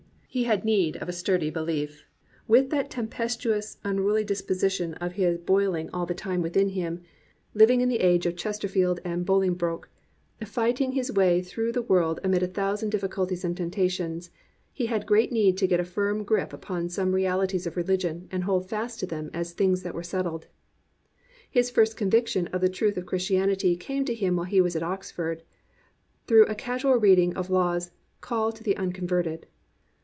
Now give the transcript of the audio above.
'* He had need of a sturdy belief. With that tem pestuous, unruly disposition of his boiling all the 322 A STURDY BELIEVER time within him, Uving in the age of Chesterfield and BoUngbroke, fighting his way through the world amid a thousand difficulties and temptations, he had great need to get a firm grip upon some reali ties of rehgion and hold fast to them as things that were settled. His first conviction of the truth of Christianity came to him while he was at Oxford, through a casual reading of Law's Call to the Uncon verted.